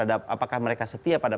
apakah mereka setia pada